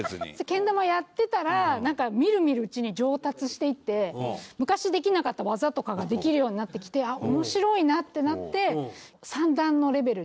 けん玉をやってたらみるみるうちに上達していって昔できなかった技とかができるようになってきて面白いなってなって。